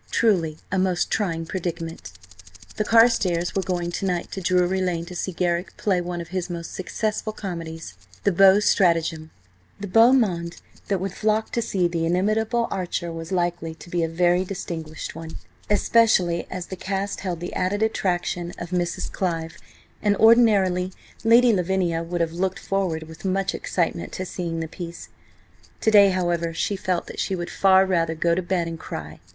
Truly a most trying predicament. The Carstares were going to night to Drury Lane to see Garrick play one of his most successful comedies: the Beaux' Stratagem. The monde that would flock to see the inimitable Archer was likely to be a very distinguished one, especially as the cast held the added attraction of Mrs. Clive, and ordinarily Lady Lavinia would have looked forward with much excitement to seeing the piece. To day, however, she felt that she would far rather go to bed and cry.